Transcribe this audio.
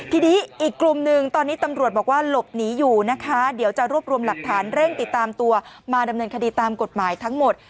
ทีนี้อีกกลุ่มหนึ่งตอนนี้ตำรวจบอกว่าหลบหนีอยู่นะคะเดี๋ยวจะรวบรวมหลักฐานเร่งติดตามตัวมาดำเนินคดีตามกฎหมายทั้งหมด